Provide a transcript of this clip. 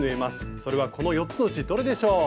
それはこの４つのうちどれでしょう？